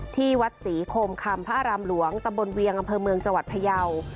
ที่วัดศรีโคมคำพระอารามหลวงตำบลเวียงอำเภอเมืองจังหวัดพยาว